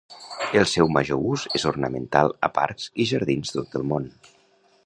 El seu major ús és ornamental a parcs i jardins de tot el món.